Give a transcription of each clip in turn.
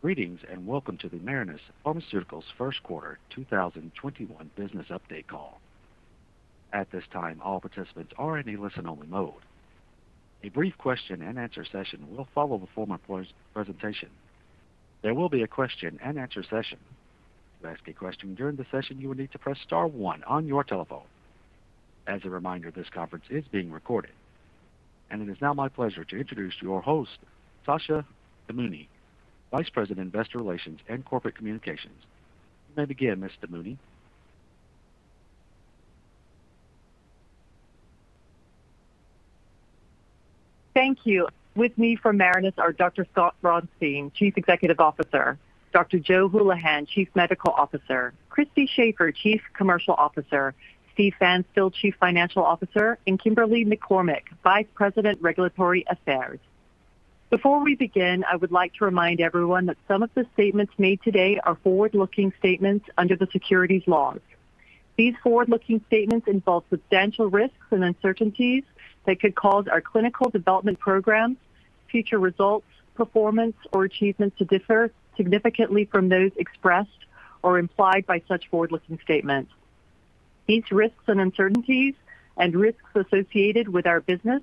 Greetings, and welcome to the Marinus Pharmaceuticals' First Quarter 2021 Business Update Call. At this time all participants are in a listen-only mode. The brief question and answer session will follow a formal presentation. There will be a question and answer session. To ask a question during the session you need to press star one on your telephone. As a reminder this conference is being recorded. It is now my pleasure to introduce your host, Sasha Damouni, Vice President, Investor Relations and Corporate Communications. You may begin, Ms. Damouni. Thank you. With me from Marinus are Dr. Scott Braunstein, Chief Executive Officer, Dr. Joe Hulihan, Chief Medical Officer, Christy Shafer, Chief Commercial Officer, Steve Pfanstiel, Chief Financial Officer, and Kimberly McCormick, Vice President, Regulatory Affairs. Before we begin, I would like to remind everyone that some of the statements made today are forward-looking statements under the securities laws. These forward-looking statements involve substantial risks and uncertainties that could cause our clinical development programs, future results, performance, or achievements to differ significantly from those expressed or implied by such forward-looking statements. These risks and uncertainties and risks associated with our business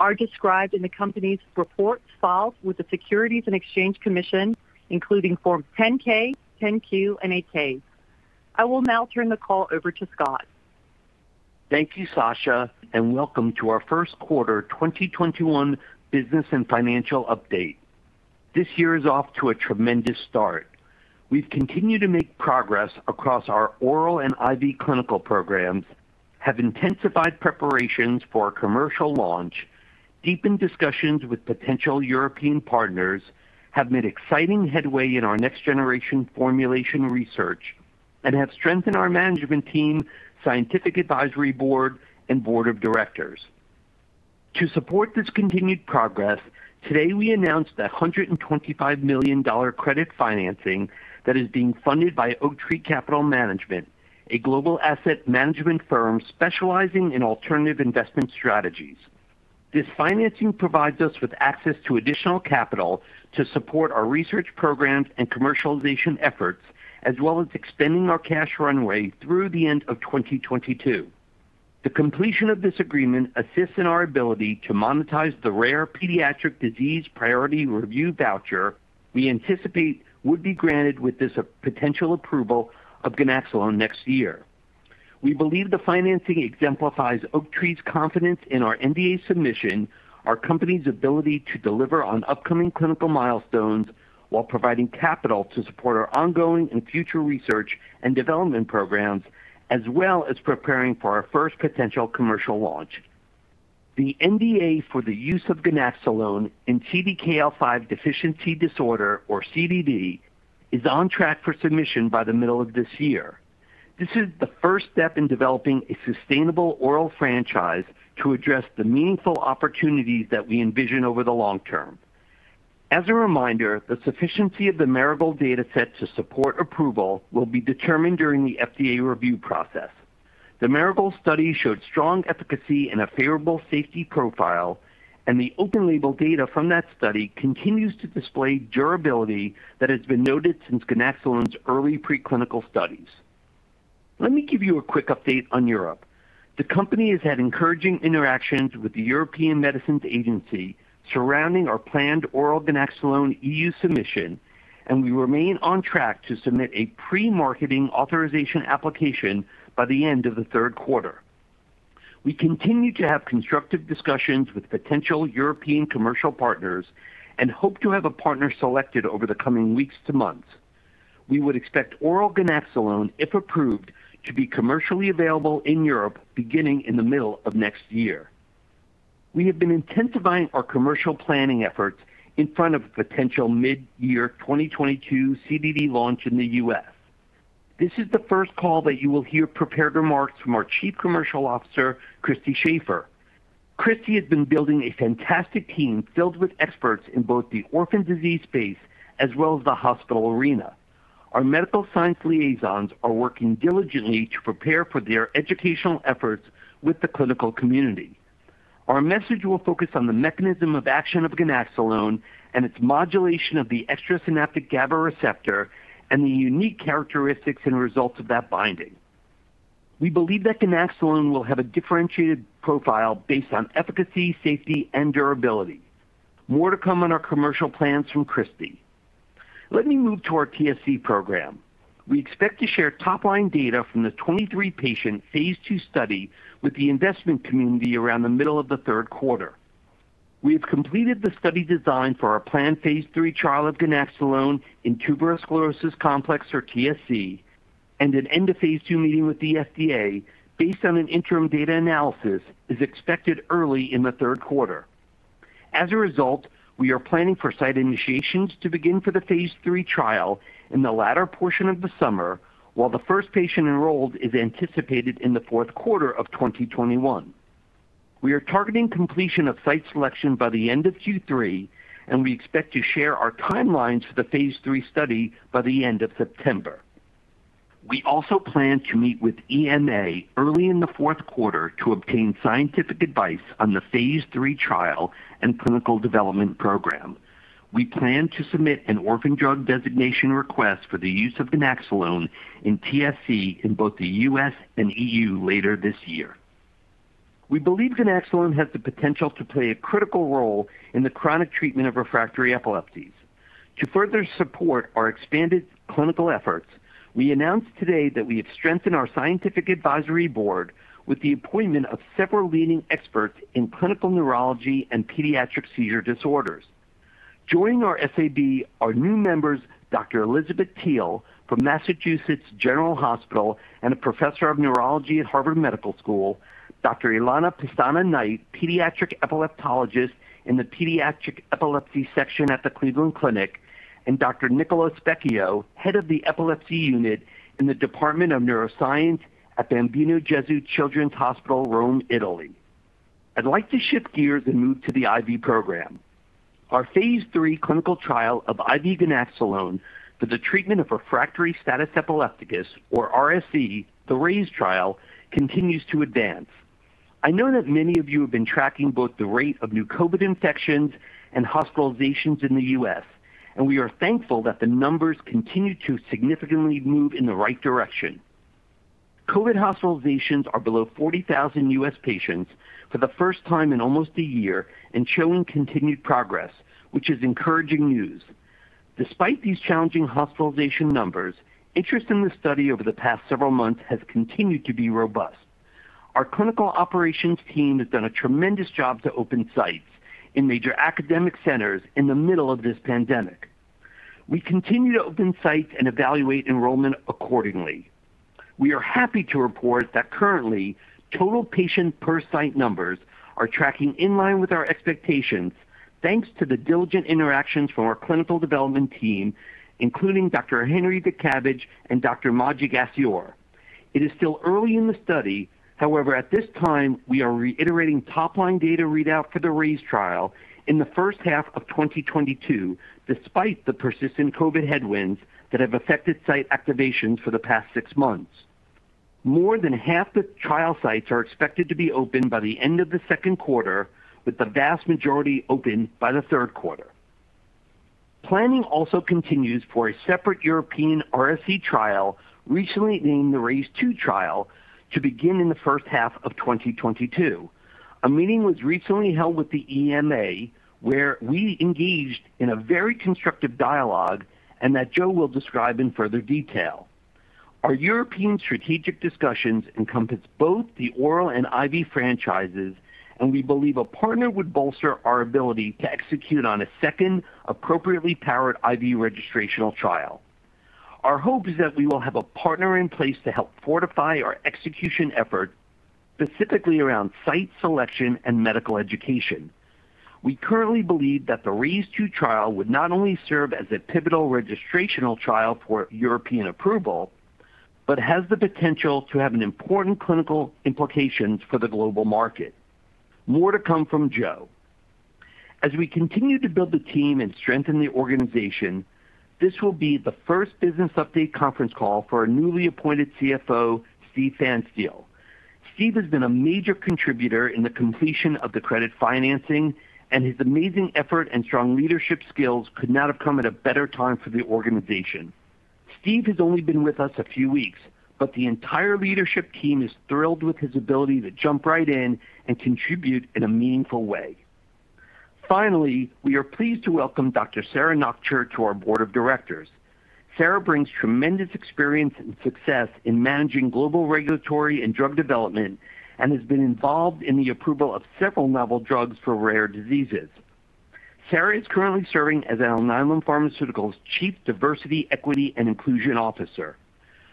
are described in the company's reports filed with the Securities and Exchange Commission, including Form 10-K, 10-Q, and 8-K. I will now turn the call over to Scott. Thank you, Sasha, and welcome to our first quarter 2021 business and financial update. This year is off to a tremendous start. We've continued to make progress across our oral and IV clinical programs, have intensified preparations for a commercial launch, deepened discussions with potential European partners, have made exciting headway in our next-generation formulation research, and have strengthened our management team, scientific advisory board, and Board of Directors. To support this continued progress, today we announced the $125 million credit financing that is being funded by Oaktree Capital Management, a global asset management firm specializing in alternative investment strategies. This financing provides us with access to additional capital to support our research programs and commercialization efforts, as well as extending our cash runway through the end of 2022. The completion of this agreement assists in our ability to monetize the rare pediatric disease priority review voucher we anticipate would be granted with this potential approval of ganaxolone next year. We believe the financing exemplifies Oaktree's confidence in our NDA submission, our company's ability to deliver on upcoming clinical milestones while providing capital to support our ongoing and future research and development programs, as well as preparing for our first potential commercial launch. The NDA for the use of ganaxolone in CDKL5 deficiency disorder, or CDD, is on track for submission by the middle of this year. This is the first step in developing a sustainable oral franchise to address the meaningful opportunities that we envision over the long term. As a reminder, the sufficiency of the Marigold data set to support approval will be determined during the FDA review process. The Marigold study showed strong efficacy and a favorable safety profile. The open-label data from that study continues to display durability that has been noted since ganaxolone's early pre-clinical studies. Let me give you a quick update on Europe. The company has had encouraging interactions with the European Medicines Agency surrounding our planned oral ganaxolone EU submission. We remain on track to submit a pre-marketing authorization application by the end of the third quarter. We continue to have constructive discussions with potential European commercial partners. We hope to have a partner selected over the coming weeks to months. We would expect oral ganaxolone, if approved, to be commercially available in Europe beginning in the middle of next year. We have been intensifying our commercial planning efforts in front of a potential mid-year 2022 CDD launch in the U.S. This is the first call that you will hear prepared remarks from our Chief Commercial Officer, Christy Shafer. Christy has been building a fantastic team filled with experts in both the orphan disease space as well as the hospital arena. Our medical science liaisons are working diligently to prepare for their educational efforts with the clinical community. Our message will focus on the mechanism of action of ganaxolone and its modulation of the extrasynaptic GABA receptor and the unique characteristics and results of that binding. We believe that ganaxolone will have a differentiated profile based on efficacy, safety, and durability. More to come on our commercial plans from Christy. Let me move to our TSC program. We expect to share top-line data from the 23-patient phase II study with the investment community around the middle of the third quarter. We have completed the study design for our planned phase III trial of ganaxolone in tuberous sclerosis complex, or TSC, and an end-of-phase II meeting with the FDA based on an interim data analysis is expected early in the third quarter. As a result, we are planning for site initiations to begin for the phase III trial in the latter portion of the summer, while the first patient enrolled is anticipated in the fourth quarter of 2021. We are targeting completion of site selection by the end of Q3, and we expect to share our timelines for the phase III study by the end of September. We also plan to meet with EMA early in the fourth quarter to obtain scientific advice on the phase III trial and clinical development program. We plan to submit an orphan drug designation request for the use of ganaxolone in TSC in both the U.S. and E.U. later this year. We believe ganaxolone has the potential to play a critical role in the chronic treatment of refractory epilepsies. To further support our expanded clinical efforts, we announced today that we have strengthened our scientific advisory board with the appointment of several leading experts in clinical neurology and pediatric seizure disorders. Joining our SAB are new members, Dr. Elizabeth Thiele from Massachusetts General Hospital and a professor of neurology at Harvard Medical School, Dr. Elia M. Pestana Knight, pediatric epileptologist in the pediatric epilepsy section at the Cleveland Clinic, and Dr. Nicola Specchio, head of the epilepsy unit in the Department of Neuroscience at Bambino Gesù Children's Hospital, Rome, Italy. I'd like to shift gears and move to the IV program. Our phase III clinical trial of IV ganaxolone for the treatment of refractory status epilepticus, or RSE, the RAISE trial, continues to advance. I know that many of you have been tracking both the rate of new COVID infections and hospitalizations in the U.S. We are thankful that the numbers continue to significantly move in the right direction. COVID hospitalizations are below 40,000 U.S. patients for the first time in almost a year and showing continued progress, which is encouraging news. Despite these challenging hospitalization numbers, interest in this study over the past several months has continued to be robust. Our clinical operations team has done a tremendous job to open sites in major academic centers in the middle of this pandemic. We continue to open sites and evaluate enrollment accordingly. We are happy to report that currently, total patient per site numbers are tracking in line with our expectations, thanks to the diligent interactions from our clinical development team, including Dr. Henry Szczepanik and Dr. Maciej Gasior. It is still early in the study. However, at this time, we are reiterating top-line data readout for the RAISE trial in the first half of 2022, despite the persistent COVID headwinds that have affected site activations for the past six months. More than half the trial sites are expected to be open by the end of the second quarter, with the vast majority open by the third quarter. Planning also continues for a separate European RSE trial, recently named the RAISE II trial, to begin in the first half of 2022. A meeting was recently held with the EMA, where we engaged in a very constructive dialogue and that Joe will describe in further detail. Our European strategic discussions encompass both the oral and IV franchises, and we believe a partner would bolster our ability to execute on a second appropriately powered IV registrational trial. Our hope is that we will have a partner in place to help fortify our execution effort, specifically around site selection and medical education. We currently believe that the RAISE II trial would not only serve as a pivotal registrational trial for European approval, but has the potential to have an important clinical implications for the global market. More to come from Joe. As we continue to build the team and strengthen the organization, this will be the first business update conference call for our newly appointed CFO, Steve Pfanstiel. Steve has been a major contributor in the completion of the credit financing. His amazing effort and strong leadership skills could not have come at a better time for the organization. Steve has only been with us a few weeks. The entire leadership team is thrilled with his ability to jump right in and contribute in a meaningful way. Finally, we are pleased to welcome Dr. Sarah Noonberg to our board of directors. Sarah brings tremendous experience and success in managing global regulatory and drug development and has been involved in the approval of several novel drugs for rare diseases. Sarah is currently serving as Alnylam Pharmaceuticals Chief Diversity, Equity, and Inclusion Officer.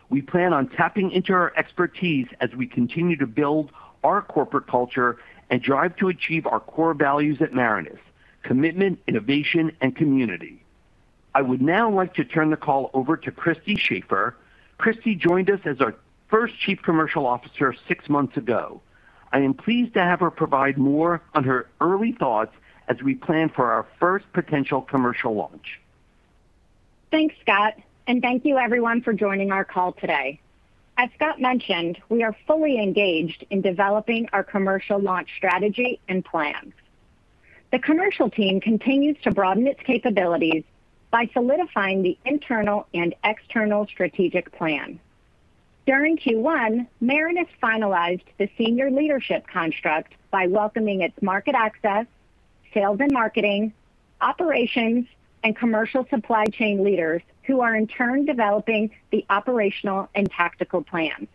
We plan on tapping into her expertise as we continue to build our corporate culture and drive to achieve our core values at Marinus: commitment, innovation, and community. I would now like to turn the call over to Christy Shafer. Christy joined us as our first Chief Commercial Officer six months ago. I am pleased to have her provide more on her early thoughts as we plan for our first potential commercial launch. Thanks, Scott, and thank you, everyone, for joining our call today. As Scott mentioned, we are fully engaged in developing our commercial launch strategy and plans. The commercial team continues to broaden its capabilities by solidifying the internal and external strategic plan. During Q1, Marinus finalized the senior leadership construct by welcoming its market access, sales and marketing, operations, and commercial supply chain leaders who are in turn developing the operational and tactical plans.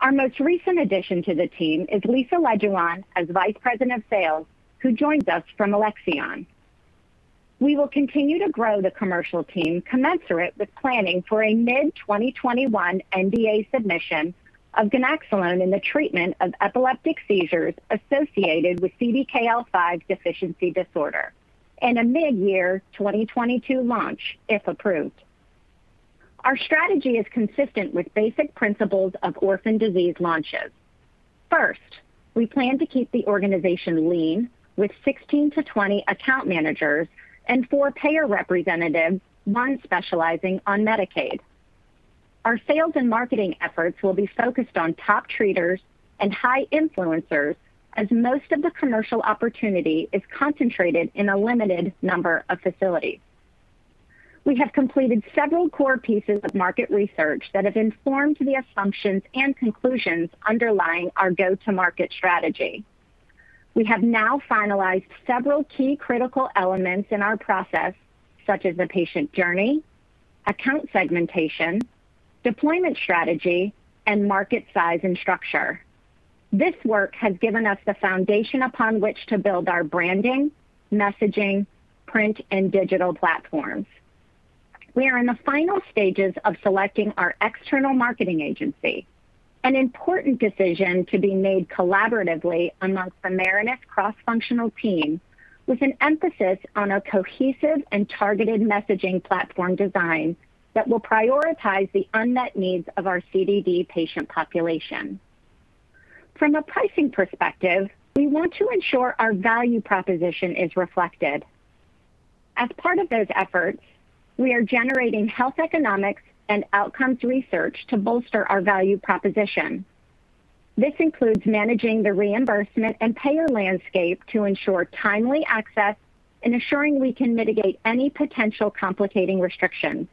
Our most recent addition to the team is Lisa Lejuwaan as Vice President of Sales, who joins us from Alexion. We will continue to grow the commercial team commensurate with planning for a mid-2021 NDA submission of ganaxolone in the treatment of epileptic seizures associated with CDKL5 deficiency disorder and a mid-year 2022 launch if approved. Our strategy is consistent with basic principles of orphan disease launches. First, we plan to keep the organization lean with 16 to 20 account managers and four payer representatives, one specializing on Medicaid. Our sales and marketing efforts will be focused on top treaters and high influencers, as most of the commercial opportunity is concentrated in a limited number of facilities. We have completed several core pieces of market research that have informed the assumptions and conclusions underlying our go-to-market strategy. We have now finalized several key critical elements in our process, such as the patient journey, account segmentation, deployment strategy, and market size and structure. This work has given us the foundation upon which to build our branding, messaging, print, and digital platforms. We are in the final stages of selecting our external marketing agency, an important decision to be made collaboratively amongst the Marinus cross-functional team, with an emphasis on a cohesive and targeted messaging platform design that will prioritize the unmet needs of our CDD patient population. From a pricing perspective, we want to ensure our value proposition is reflected. As part of those efforts, we are generating health economics and outcomes research to bolster our value proposition. This includes managing the reimbursement and payer landscape to ensure timely access and ensuring we can mitigate any potential complicating restrictions.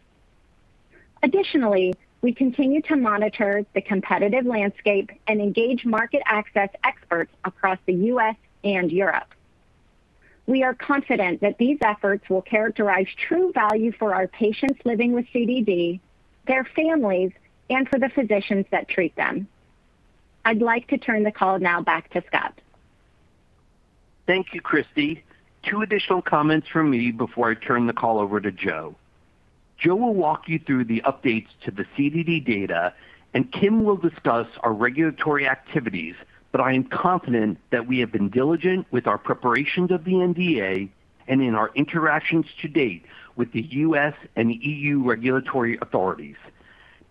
Additionally, we continue to monitor the competitive landscape and engage market access experts across the U.S. and Europe. We are confident that these efforts will characterize true value for our patients living with CDD, their families, and for the physicians that treat them. I'd like to turn the call now back to Scott. Thank you, Christy. Two additional comments from me before I turn the call over to Joe. Joe will walk you through the updates to the CDD data, and Kim will discuss our regulatory activities, but I am confident that we have been diligent with our preparation of the NDA and in our interactions to date with the U.S. and E.U. regulatory authorities.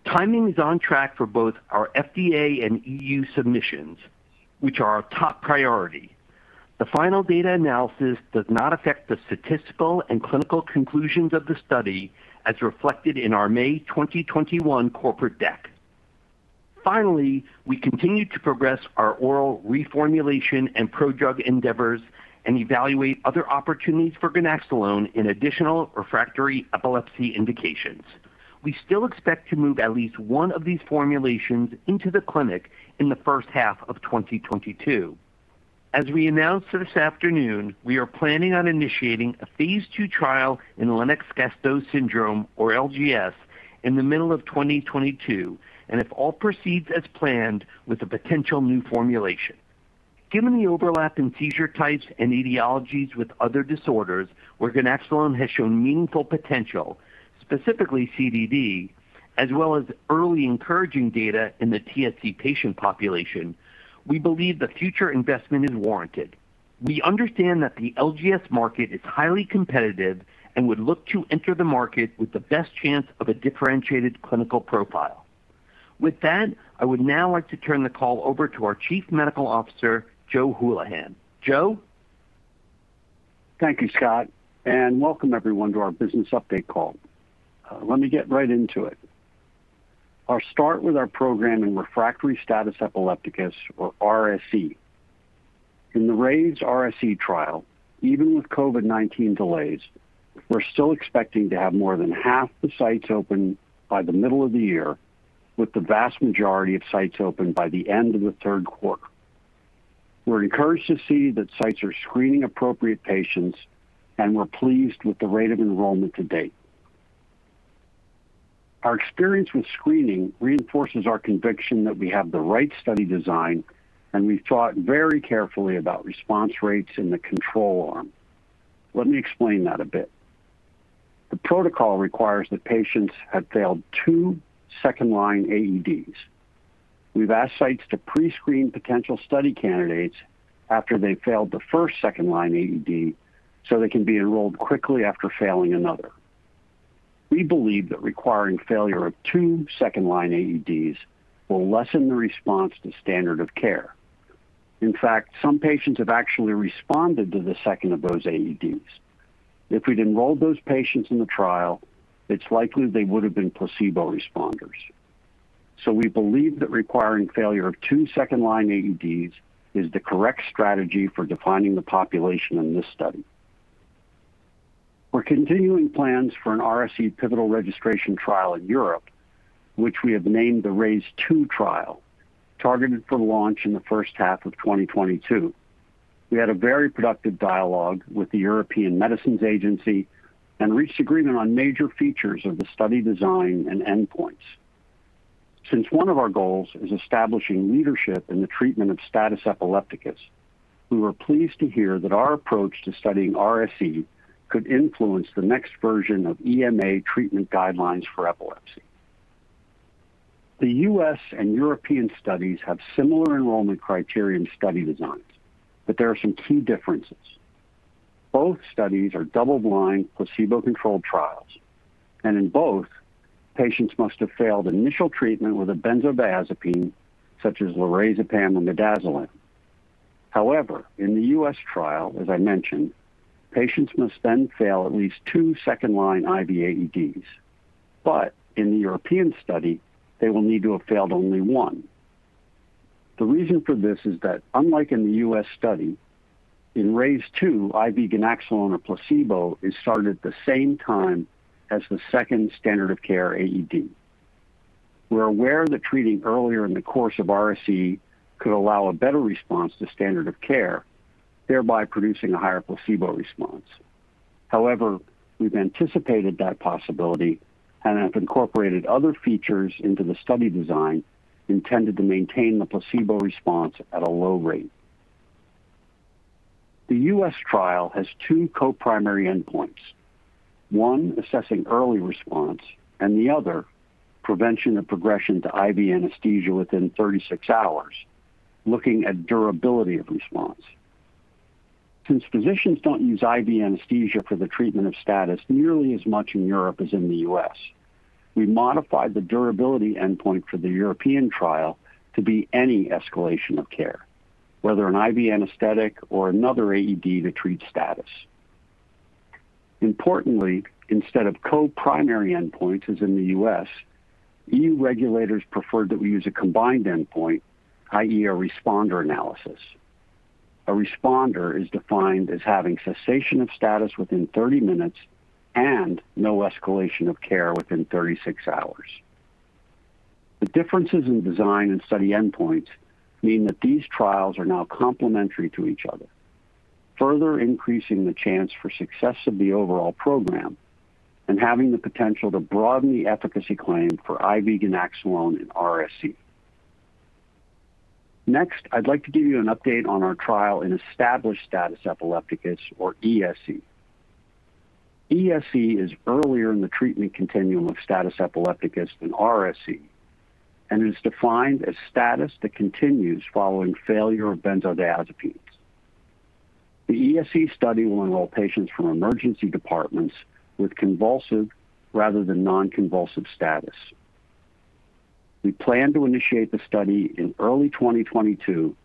Timing is on track for both our FDA and E.U. submissions, which are our top priority. The final data analysis does not affect the statistical and clinical conclusions of the study as reflected in our May 2021 corporate deck. Finally, we continue to progress our oral reformulation and prodrug endeavors and evaluate other opportunities for ganaxolone in additional refractory epilepsy indications. We still expect to move at least one of these formulations into the clinic in the first half of 2022. As we announced this afternoon, we are planning on initiating a phase II trial in Lennox-Gastaut syndrome, or LGS, in the middle of 2022. If all proceeds as planned, with a potential new formulation. Given the overlap in seizure types and etiologies with other disorders where ganaxolone has shown meaningful potential, specifically CDD, as well as early encouraging data in the TSC patient population, we believe the future investment is warranted. We understand that the LGS market is highly competitive and would look to enter the market with the best chance of a differentiated clinical profile. With that, I would now like to turn the call over to our Chief Medical Officer, Joe Hulihan. Joe? Thank you, Scott, welcome everyone to our business update call. Let me get right into it. I'll start with our program in refractory status epilepticus, or RSE. In the RAISE RSE trial, even with COVID-19 delays, we're still expecting to have more than half the sites open by the middle of the year, with the vast majority of sites open by the end of the third quarter. We're encouraged to see that sites are screening appropriate patients, and we're pleased with the rate of enrollment to date. Our experience with screening reinforces our conviction that we have the right study design, and we've thought very carefully about response rates in the control arm. Let me explain that a bit. The protocol requires that patients have failed two second-line AEDs. We've asked sites to pre-screen potential study candidates after they've failed the first second-line AED so they can be enrolled quickly after failing another. We believe that requiring failure of two second-line AEDs will lessen the response to standard of care. In fact, some patients have actually responded to the second of those AEDs. If we'd enrolled those patients in the trial, it's likely they would've been placebo responders. We believe that requiring failure of two second-line AEDs is the correct strategy for defining the population in this study. We're continuing plans for an RSE pivotal registration trial in Europe, which we have named the RAISE II trial, targeted for launch in the first half of 2022. We had a very productive dialogue with the European Medicines Agency and reached agreement on major features of the study design and endpoints. Since one of our goals is establishing leadership in the treatment of status epilepticus, we were pleased to hear that our approach to studying RSE could influence the next version of EMA treatment guidelines for epilepsy. The U.S. and European studies have similar enrollment criteria and study designs, there are some key differences. Both studies are double-blind, placebo-controlled trials, and in both, patients must have failed initial treatment with a benzodiazepine such as lorazepam and midazolam. In the U.S. trial, as I mentioned, patients must then fail at least two second-line IV AEDs. In the European study, they will need to have failed only one. The reason for this is that unlike in the U.S. study, in RAISE II, IV ganaxolone or placebo is started at the same time as the second standard of care AED. We're aware that treating earlier in the course of RSE could allow a better response to standard of care, thereby producing a higher placebo response. We've anticipated that possibility and have incorporated other features into the study design intended to maintain the placebo response at a low rate. The U.S. trial has two co-primary endpoints, one assessing early response, and the other prevention of progression to IV anesthesia within 36 hours, looking at durability of response. Since physicians don't use IV anesthesia for the treatment of status nearly as much in Europe as in the U.S., we modified the durability endpoint for the European trial to be any escalation of care, whether an IV anesthetic or another AED to treat status. Instead of co-primary endpoints as in the U.S., E.U. regulators preferred that we use a combined endpoint, i.e., a responder analysis. A responder is defined as having cessation of status within 30 minutes and no escalation of care within 36 hours. The differences in design and study endpoints mean that these trials are now complementary to each other, further increasing the chance for success of the overall program and having the potential to broaden the efficacy claim for IV ganaxolone in RSE. I'd like to give you an update on our trial in established status epilepticus, or ESE. ESE is earlier in the treatment continuum of status epilepticus than RSE and is defined as status that continues following failure of benzodiazepines. The ESE study will enroll patients from emergency departments with convulsive rather than non-convulsive status. We plan to initiate the study in early 2022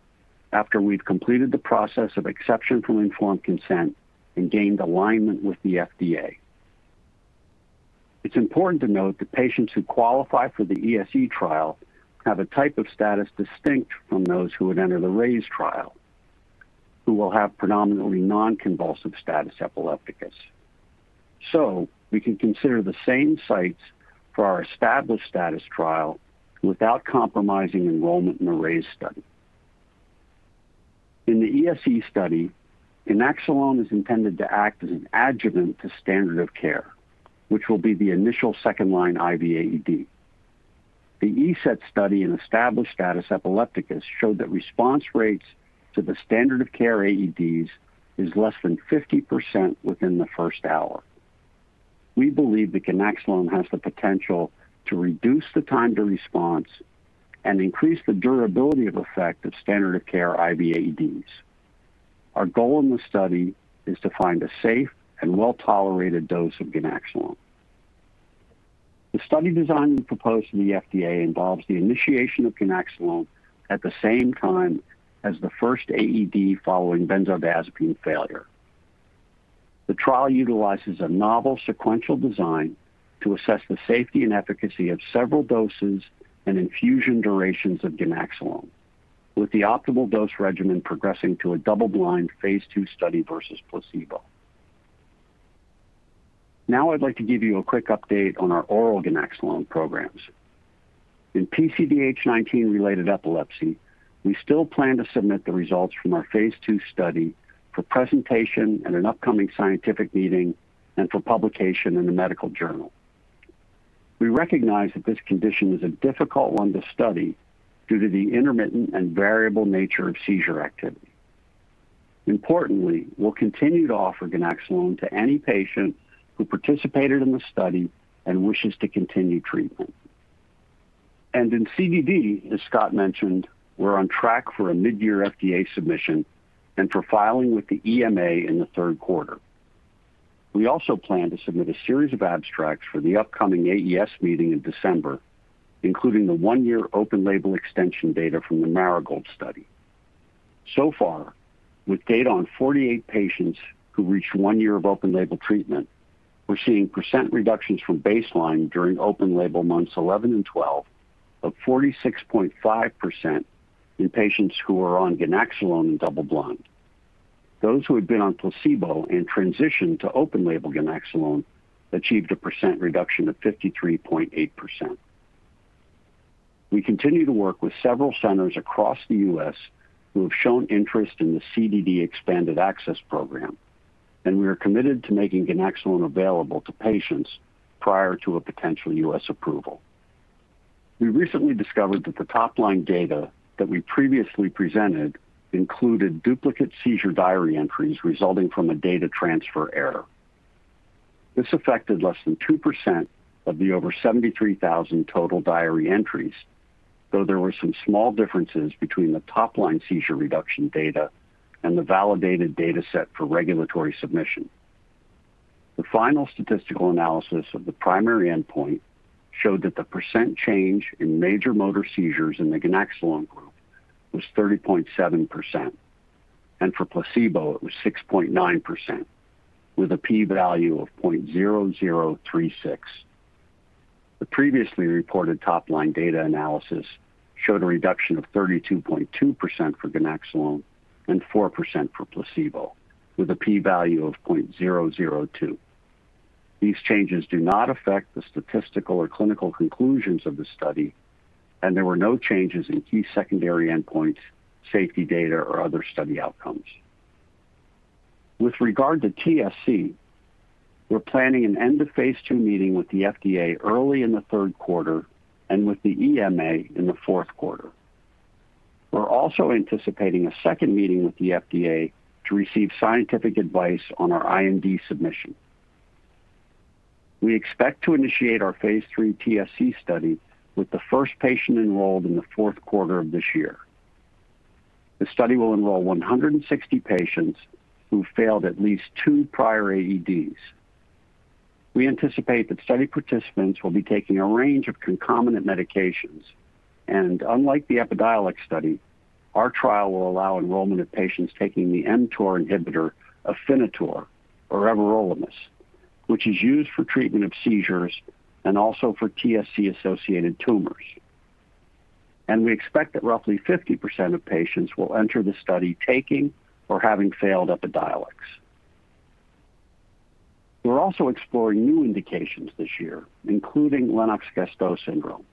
after we've completed the process of exception from informed consent and gained alignment with the FDA. It's important to note that patients who qualify for the ESE trial have a type of status distinct from those who would enter the RAISE trial, who will have predominantly non-convulsive status epilepticus. We can consider the same sites for our established status trial without compromising enrollment in the RAISE study. In the ESE study, ganaxolone is intended to act as an adjuvant to standard of care, which will be the initial second-line IV AED. The ESETT study in established status epilepticus showed that response rates to the standard of care AEDs is less than 50% within the first hour. We believe that ganaxolone has the potential to reduce the time to response and increase the durability of effect of standard of care IV AEDs. Our goal in the study is to find a safe and well-tolerated dose of ganaxolone. The study design we proposed to the FDA involves the initiation of ganaxolone at the same time as the first AED following benzodiazepine failure. The trial utilizes a novel sequential design to assess the safety and efficacy of several doses and infusion durations of ganaxolone, with the optimal dose regimen progressing to a double-blind phase II study versus placebo. Now I'd like to give you a quick update on our oral ganaxolone programs. In PCDH19-related epilepsy, we still plan to submit the results from our phase II study for presentation at an upcoming scientific meeting and for publication in the medical journal. We recognize that this condition is a difficult one to study due to the intermittent and variable nature of seizure activity. Importantly, we'll continue to offer ganaxolone to any patient who participated in the study and wishes to continue treatment. In CDD, as Scott mentioned, we're on track for a mid-year FDA submission and for filing with the EMA in the third quarter. We also plan to submit a series of abstracts for the upcoming AES meeting in December, including the one-year open label extension data from the Marigold study. Far, with data on 48 patients who reached one year of open label treatment, we're seeing percent reductions from baseline during open label months 11 and 12 of 46.5% in patients who are on ganaxolone in double blind. Those who had been on placebo and transitioned to open label ganaxolone achieved a percent reduction of 53.8%. We continue to work with several centers across the U.S. who have shown interest in the CDD expanded access program, and we are committed to making ganaxolone available to patients prior to a potential U.S. approval. We recently discovered that the top-line data that we previously presented included duplicate seizure diary entries resulting from a data transfer error. This affected less than 2% of the over 73,000 total diary entries, though there were some small differences between the top-line seizure reduction data and the validated data set for regulatory submission. The final statistical analysis of the primary endpoint showed that the percent change in major motor seizures in the ganaxolone group was 30.7%, and for placebo, it was 6.9%, with a p-value of 0.0036. The previously reported top-line data analysis showed a reduction of 32.2% for ganaxolone and 4% for placebo, with a p-value of 0.002. These changes do not affect the statistical or clinical conclusions of the study, and there were no changes in key secondary endpoints, safety data, or other study outcomes. With regard to TSC, we're planning an end-of-phase II meeting with the FDA early in the third quarter and with the EMA in the fourth quarter. We're also anticipating a second meeting with the FDA to receive scientific advice on our IND submission. We expect to initiate our phase III TSC study, with the first patient enrolled in the fourth quarter of this year. The study will enroll 160 patients who failed at least two prior AEDs. We anticipate that study participants will be taking a range of concomitant medications, and unlike the EPIDIOLEX study, our trial will allow enrollment of patients taking the mTOR inhibitor, AFINITOR or everolimus, which is used for treatment of seizures and also for TSC-associated tumors. We expect that roughly 50% of patients will enter the study taking or having failed EPIDIOLEX. We're also exploring new indications this year, including Lennox-Gastaut syndrome.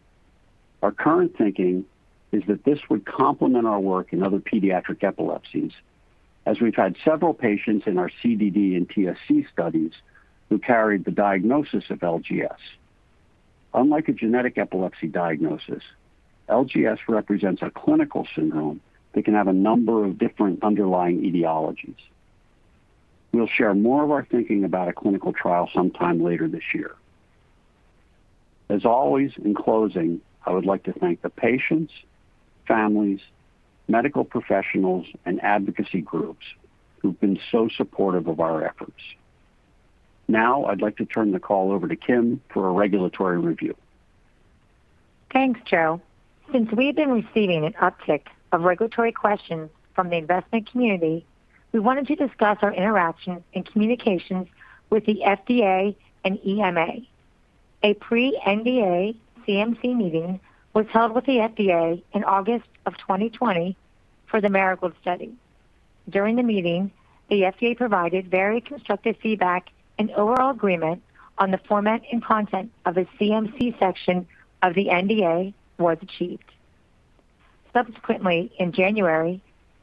Our current thinking is that this would complement our work in other pediatric epilepsies, as we've had several patients in our CDD and TSC studies who carried the diagnosis of LGS. Unlike a genetic epilepsy diagnosis, LGS represents a clinical syndrome that can have a number of different underlying etiologies. We'll share more of our thinking about a clinical trial sometime later this year. As always, in closing, I would like to thank the patients, families, medical professionals, and advocacy groups who've been so supportive of our efforts. Now, I'd like to turn the call over to Kim for a regulatory review. Thanks, Joe. Since we've been receiving an uptick of regulatory questions from the investment community, we wanted to discuss our interactions and communications with the FDA and EMA. A pre-NDA CMC meeting was held with the FDA in August of 2020 for the Marigold study. During the meeting, the FDA provided very constructive feedback and overall agreement on the format and content of a CMC section of the NDA was achieved. Subsequently, in January,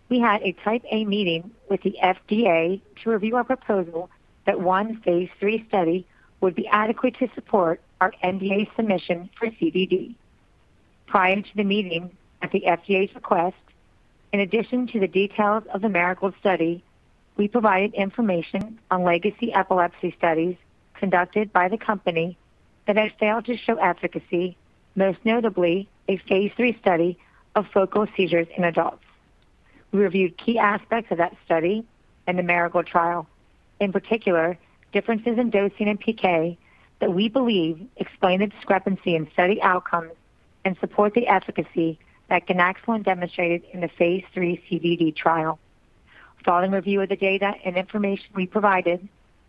we had a type A meeting with the FDA to review our proposal that one phase III study would be adequate to support our NDA submission for CDD. Prior to the meeting, at the FDA's request, in addition to the details of the Marigold study, we provided information on legacy epilepsy studies conducted by the company that had failed to show efficacy, most notably a phase III study of focal seizures in adults. We reviewed key aspects of that study and the Marigold trial, in particular, differences in dosing and PK that we believe explain the discrepancy in study outcomes and support the efficacy that ganaxolone demonstrated in the phase III CDD trial. Following review of the data and information we provided,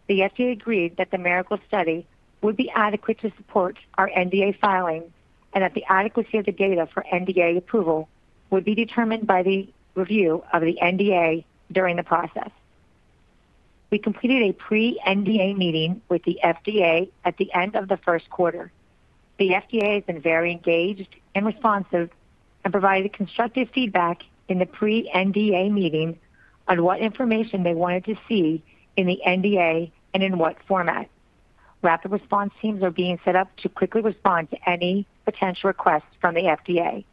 the FDA agreed that the Marigold study would be adequate to support our NDA filing and that the adequacy of the data for NDA approval would be determined by the review of the NDA during the process. We completed a pre-NDA meeting with the FDA at the end of the first quarter. The FDA has been very engaged and responsive and provided constructive feedback in the pre-NDA meeting on what information they wanted to see in the NDA and in what format. Rapid response teams are being set up to quickly respond to any potential requests from the FDA.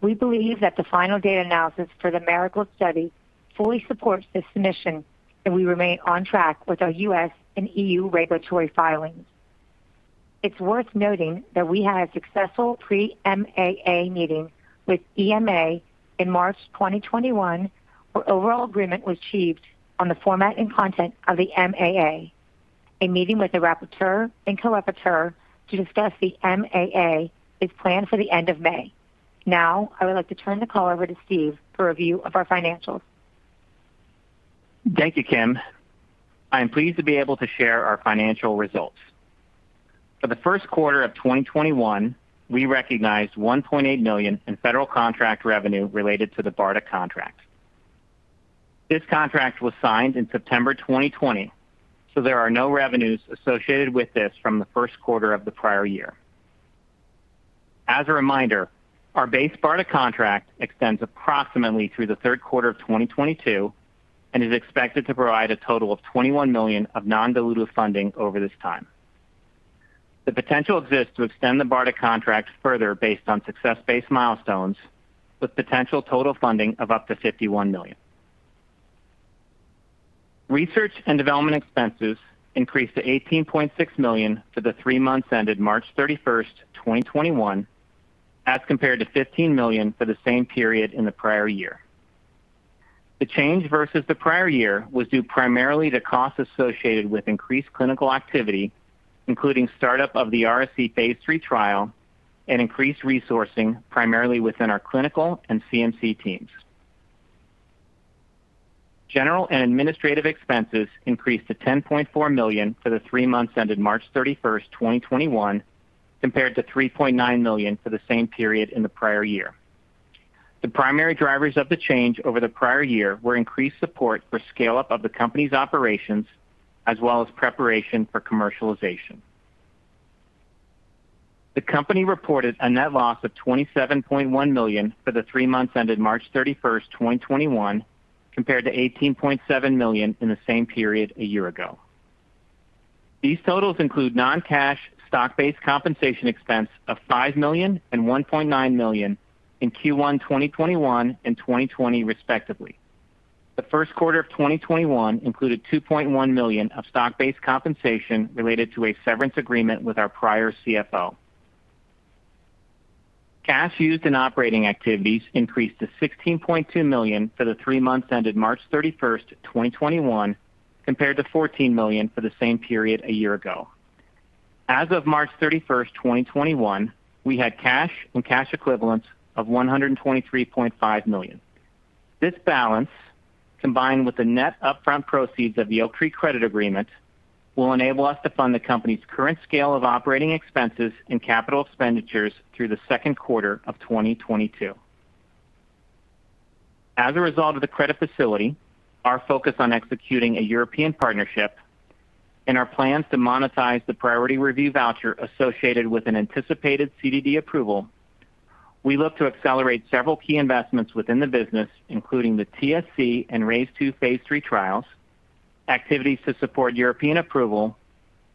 We believe that the final data analysis for the Marigold study fully supports this submission, and we remain on track with our U.S. and E.U. regulatory filings. It's worth noting that we had a successful pre-MAA meeting with EMA in March 2021, where overall agreement was achieved on the format and content of the MAA. A meeting with the rapporteur and co-rapporteur to discuss the MAA is planned for the end of May. Now, I would like to turn the call over to Steve for review of our financials. Thank you, Kim. I am pleased to be able to share our financial results. For the first quarter of 2021, we recognized $1.8 million in federal contract revenue related to the BARDA contract. This contract was signed in September 2020, there are no revenues associated with this from the first quarter of the prior year. As a reminder, our base BARDA contract extends approximately through the third quarter of 2022 and is expected to provide a total of $21 million of non-dilutive funding over this time. The potential exists to extend the BARDA contracts further based on success-based milestones with potential total funding of up to $51 million. Research and development expenses increased to $18.6 million for the three months ended March 31st, 2021, as compared to $15 million for the same period in the prior year. The change versus the prior year was due primarily to costs associated with increased clinical activity, including startup of the RSE phase III trial and increased resourcing primarily within our clinical and CMC teams. General and administrative expenses increased to $10.4 million for the three months ended March 31, 2021, compared to $3.9 million for the same period in the prior year. The primary drivers of the change over the prior year were increased support for scale-up of the company's operations as well as preparation for commercialization. The company reported a net loss of $27.1 million for the three months ended March 31, 2021, compared to $18.7 million in the same period a year ago. These totals include non-cash stock-based compensation expense of $5 million and $1.9 million in Q1 2021 and 2020 respectively. The first quarter of 2021 included $2.1 million of stock-based compensation related to a severance agreement with our prior CFO. Cash used in operating activities increased to $16.2 million for the three months ended March 31, 2021, compared to $14 million for the same period a year ago. As of March 31, 2021, we had cash and cash equivalents of $123.5 million. This balance, combined with the net upfront proceeds of the Oaktree credit agreement, will enable us to fund the company's current scale of operating expenses and capital expenditures through the second quarter of 2022. As a result of the credit facility, our focus on executing a European partnership and our plans to monetize the priority review voucher associated with an anticipated CDD approval, we look to accelerate several key investments within the business, including the TSC and RAISE II phase III trials, activities to support European approval,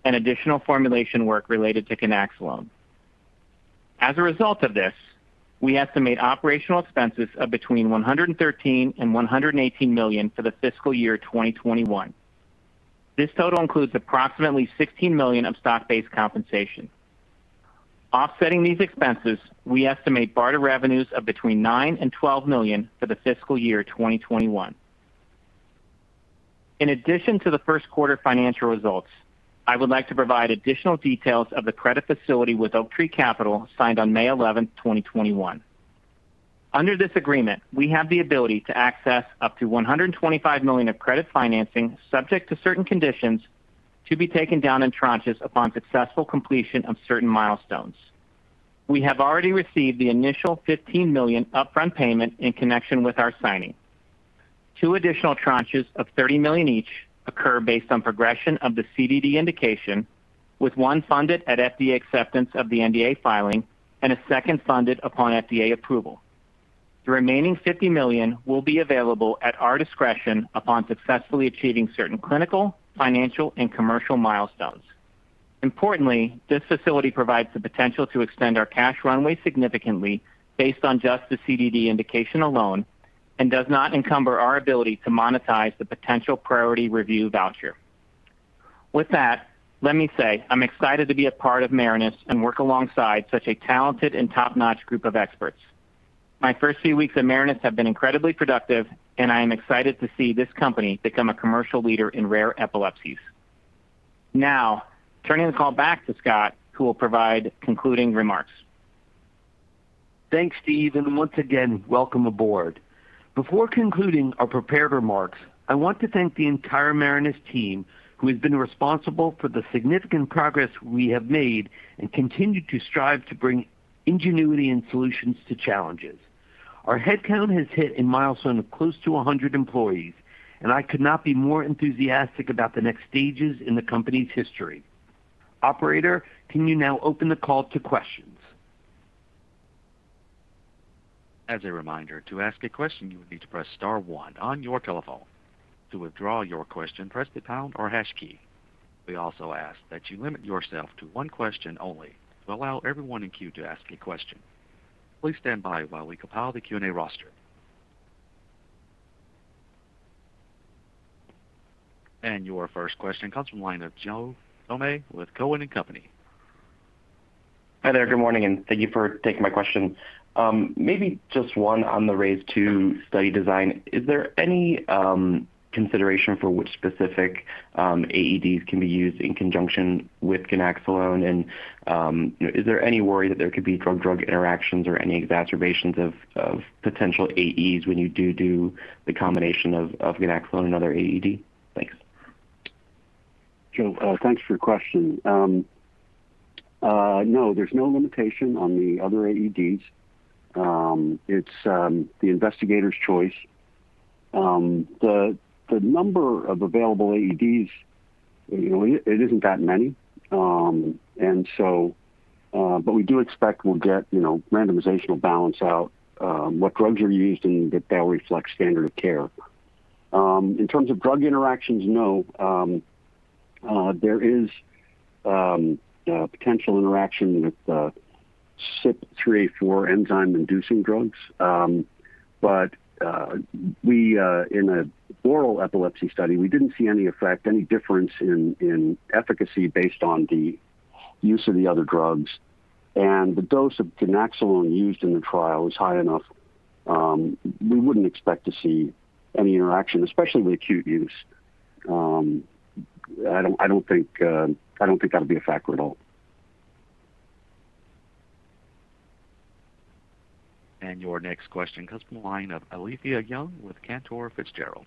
and additional formulation work related to ganaxolone. As a result of this, we estimate operational expenses of between $113 million and $118 million for the fiscal year 2021. This total includes approximately $16 million of stock-based compensation. Offsetting these expenses, we estimate BARDA revenues of between $9 million and $12 million for the fiscal year 2021. In addition to the first quarter financial results, I would like to provide additional details of the credit facility with Oaktree Capital signed on May 11, 2021. Under this agreement, we have the ability to access up to $125 million of credit financing subject to certain conditions to be taken down in tranches upon successful completion of certain milestones. We have already received the initial $15 million upfront payment in connection with our signing. Two additional tranches of $30 million each occur based on progression of the CDD indication, with one funded at FDA acceptance of the NDA filing and a second funded upon FDA approval. The remaining $50 million will be available at our discretion upon successfully achieving certain clinical, financial, and commercial milestones. Importantly, this facility provides the potential to extend our cash runway significantly based on just the CDD indication alone and does not encumber our ability to monetize the potential priority review voucher. With that, let me say I'm excited to be a part of Marinus and work alongside such a talented and top-notch group of experts. My first few weeks at Marinus have been incredibly productive, and I am excited to see this company become a commercial leader in rare epilepsies. Turning the call back to Scott, who will provide concluding remarks. Thanks, Steve, and once again, welcome aboard. Before concluding our prepared remarks, I want to thank the entire Marinus team who has been responsible for the significant progress we have made and continue to strive to bring ingenuity and solutions to challenges. Our head count has hit a milestone of close to 100 employees, and I could not be more enthusiastic about the next stages in the company's history. Operator, can you now open the call to questions? As a reminder, to ask a question, you will need to press star one on your telephone. To withdraw your question, press the pound or hash key. We also ask that you limit yourself to one question only to allow everyone in queue to ask a question. Please stand by while we compile the Q&A roster. Your first question comes from the line of Joe Thome with Cowen and Company. Hi there. Good morning, and thank you for taking my question. Maybe just one on the RAISE II study design. Is there any consideration for which specific AEDs can be used in conjunction with ganaxolone? Is there any worry that there could be drug-drug interactions or any exacerbations of potential AEs when you do the combination of ganaxolone and other AED? Thanks. Joe, thanks for your question. There's no limitation on the other AEDs. It's the investigator's choice. The number of available AEDs, it isn't that many. We do expect we'll get randomizational balance out what drugs are used and that that will reflect standard of care. In terms of drug interactions, no. There is a potential interaction with CYP3A4 enzyme-inducing drugs. In an oral epilepsy study, we didn't see any effect, any difference in efficacy based on the use of the other drugs. The dose of ganaxolone used in the trial was high enough. We wouldn't expect to see any interaction, especially with acute use. I don't think that'll be a factor at all. Your next question comes from the line of Alethia Young with Cantor Fitzgerald.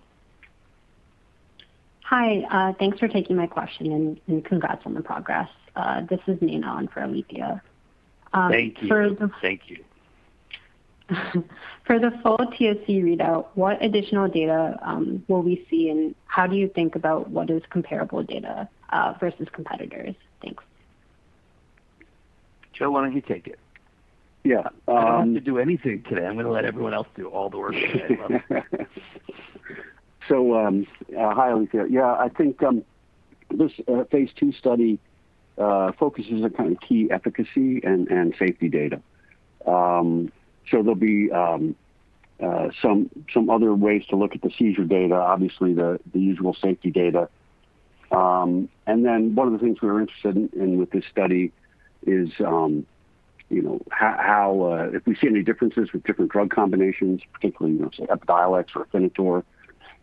Hi, thanks for taking my question, and congrats on the progress. This is Nina on for Alethia. Thank you. For the full POC readout, what additional data will we see, and how do you think about what is comparable data versus competitors? Thanks. Joe, why don't you take it? Yeah. I don't have to do anything today. I'm going to let everyone else do all the work. Hi Alethia. I think this phase II study focuses on key efficacy and safety data. There'll be some other ways to look at the seizure data, obviously, the usual safety data. One of the things we're interested in with this study is if we see any differences with different drug combinations, particularly let's say EPIDIOLEX or AFINITOR,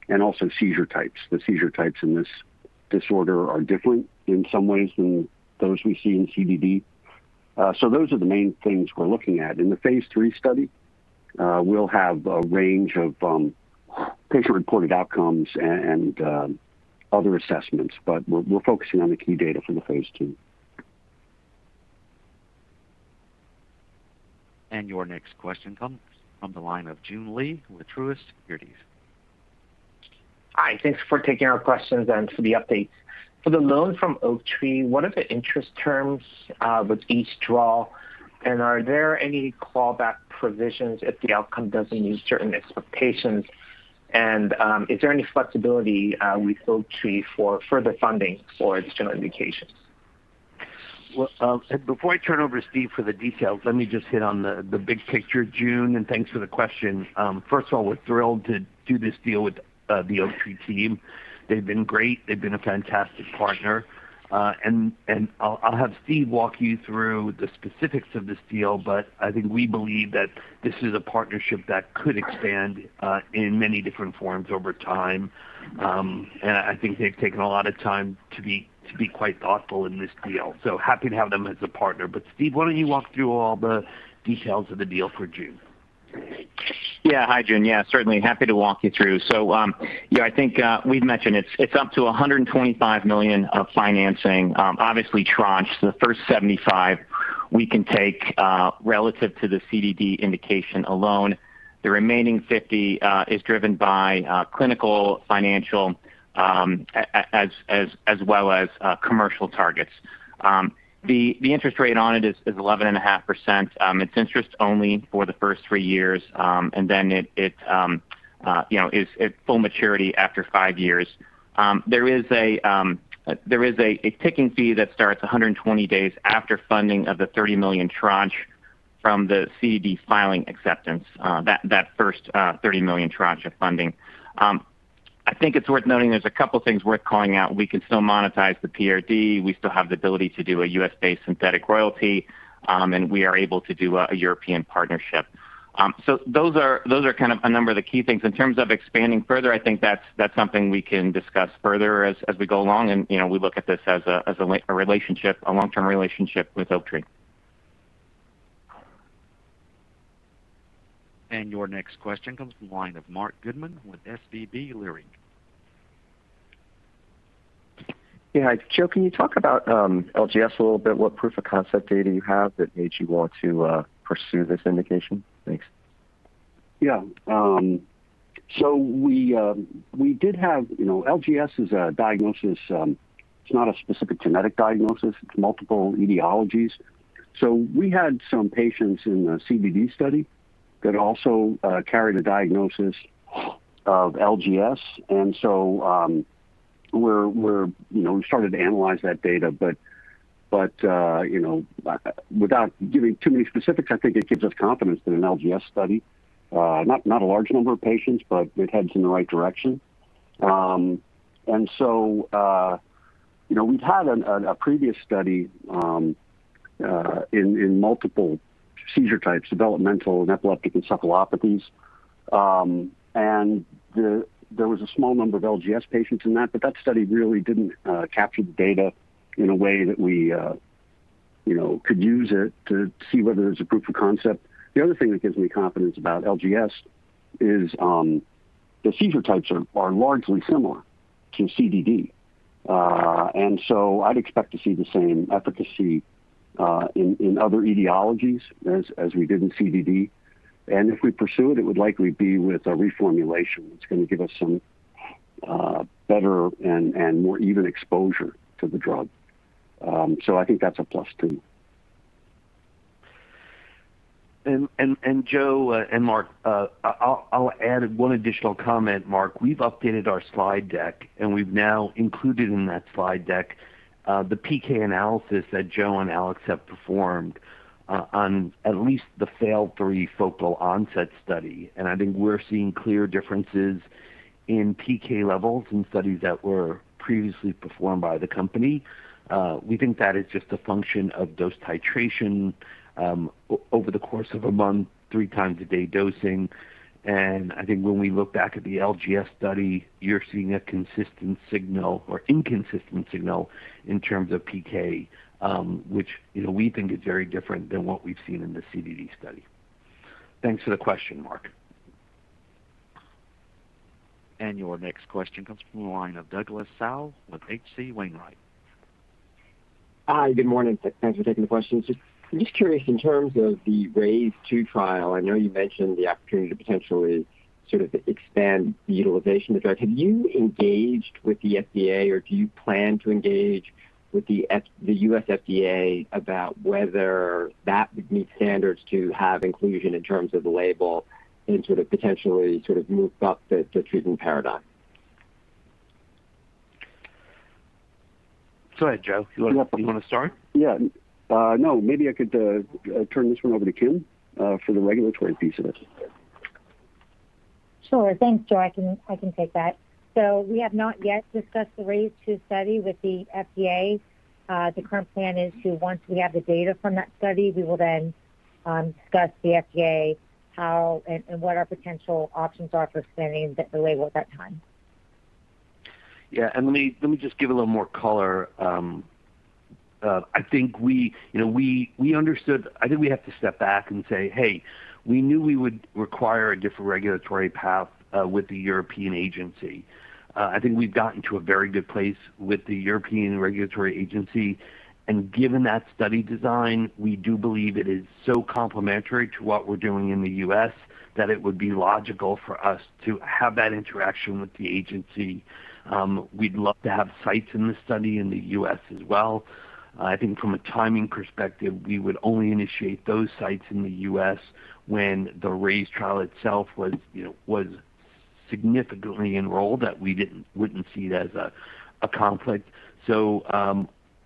and also seizure types. The seizure types in this disorder are different in some ways than those we see in CDD. Those are the main things we're looking at. In the phase III study, we'll have a range of patient-reported outcomes and other assessments, but we're focusing on the key data from the phase II. Your next question comes from the line of Joon Lee with Truist Securities. Hi, thanks for taking our questions and for the updates. For the loan from Oaktree, what are the interest terms with each draw, and are there any callback provisions if the outcome doesn't meet certain expectations? Is there any flexibility with Oaktree for further funding for its general indication? Before I turn it over to Steve for the details, let me just hit on the big picture, Joon, and thanks for the question. First of all, we're thrilled to do this deal with the Oaktree team. They've been great. They've been a fantastic partner. I'll have Steve walk you through the specifics of this deal, but I think we believe that this is a partnership that could expand in many different forms over time. I think they've taken a lot of time to be quite thoughtful in this deal. Happy to have them as a partner. Steve, why don't you walk through all the details of the deal for Joon? Hi, Joon. Yeah, certainly happy to walk you through. I think we've mentioned it's up to $125 million of financing, obviously tranche. The first $75 million we can take relative to the CDD indication alone. The remaining $50 million is driven by clinical, financial, as well as commercial targets. The interest rate on it is 11.5%. It's interest-only for the first three years, and then it's full maturity after five years. There is a ticking fee that starts 120 days after funding of the $30 million tranche from the CDD filing acceptance, that first $30 million tranche of funding. I think it's worth noting there's a couple things worth calling out. We can still monetize the PRV, we still have the ability to do a USA synthetic royalty, and we are able to do a European partnership. Those are a number of the key things. In terms of expanding further, I think that's something we can discuss further as we go along, and we look at this as a long-term relationship with Oaktree. Your next question comes from the line of Marc Goodman with SVB Leerink. Yeah. Joe, can you talk about LGS a little bit? What proof of concept data you have that made you want to pursue this indication? Thanks. LGS is a diagnosis. It's not a specific genetic diagnosis. It's multiple etiologies. We had some patients in the CDD study that also carried a diagnosis of LGS, and so we started to analyze that data. Without giving too many specifics, I think it gives us confidence in an LGS study. Not a large number of patients, but it heads in the right direction. We've had a previous study in multiple seizure types, developmental and epileptic encephalopathies. There was a small number of LGS patients in that, but that study really didn't capture the data in a way that we could use it to see whether there's a proof of concept. The other thing that gives me confidence about LGS is the seizure types are largely similar to CDD. I'd expect to see the same efficacy in other etiologies as we did in CDD. If we pursue it would likely be with a reformulation. It's going to give us some better and more even exposure for the drug. I think that's a plus, too. Joe and Marc, I'll add one additional comment. Marc, we've updated our slide deck. We've now included in that slide deck the PK analysis that Joe and Alex have performed on at least the phase III focal onset study. I think we're seeing clear differences in PK levels in studies that were previously performed by the company. We think that is just a function of dose titration over the course of a month, three times a day dosing. I think when we look back at the LGS study, you're seeing a consistent signal or inconsistent signal in terms of PK. Which we think is very different than what we've seen in the CDD study. Thanks for the question, Marc. Your next question comes from the line of Douglas Tsao with H.C. Wainwright. Hi. Good morning. Thanks for taking the questions. Just curious in terms of the RAISE II trial, I know you mentioned the opportunity to potentially sort of expand the utilization of the drug. Have you engaged with the FDA, or do you plan to engage with the U.S. FDA about whether that would meet standards to have inclusion in terms of the label and sort of potentially move up the treatment paradigm? Go ahead, Joe. You want to start? Yeah. No, maybe I could turn this one over to Kim for the regulatory piece of it. Sure. Thanks, Joe. I can take that. We have not yet discussed the RAISE II study with the FDA. The current plan is to, once we have the data from that study, we will then discuss with the FDA how and what our potential options are for expanding the label at that time. Let me just give a little more color. I think we have to step back and say, "Hey, we knew we would require a different regulatory path with the European Agency." I think we've gotten to a very good place with the European Regulatory Agency, and given that study design, we do believe it is so complementary to what we're doing in the U.S. that it would be logical for us to have that interaction with the agency. We'd love to have sites in the study in the U.S. as well. I think from a timing perspective, we would only initiate those sites in the U.S. when the RAISE trial itself was significantly enrolled, that we wouldn't see it as a conflict.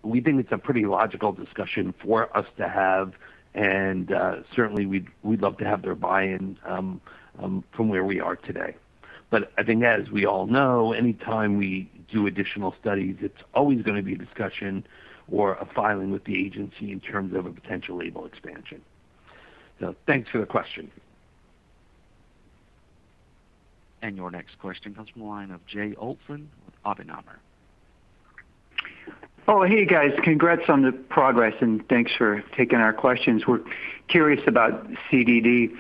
We think it's a pretty logical discussion for us to have, and certainly, we'd love to have their buy-in from where we are today. I think that, as we all know, any time we do additional studies, it's always going to be a discussion or a filing with the agency in terms of a potential label expansion. Thanks for the question. Your next question comes from the line of Jay Olson with Oppenheimer. Oh, hey, guys. Congrats on the progress, thanks for taking our questions. We're curious about CDD.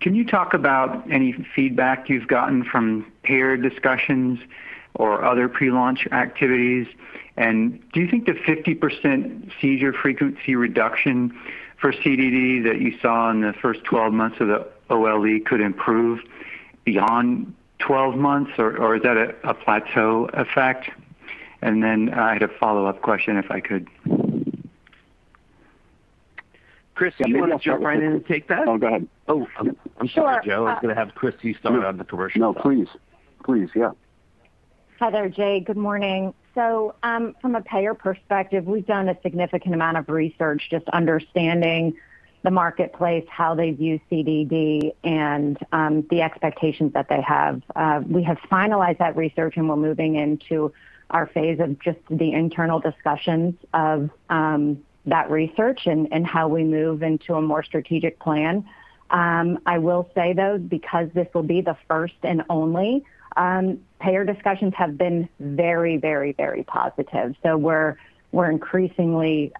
Can you talk about any feedback you've gotten from payer discussions or other pre-launch activities? Do you think the 50% seizure frequency reduction for CDD that you saw in the first 12 months of the OLE could improve beyond 12 months, or is that a plateau effect? I had a follow-up question if I could. Christy, you want to jump right in and take that? Oh, go ahead. Sure. I'm sorry, Joe. I was going to have Christy start on the commercial side. No, please. Yeah. Hi there, Jay. Good morning. From a payer perspective, we've done a significant amount of research just understanding the marketplace, how they view CDD, and the expectations that they have. We have finalized that research, we're moving into our phase of just the internal discussions of that research and how we move into a more strategic plan. I will say, though, because this will be the first and only, payer discussions have been very positive. We're increasingly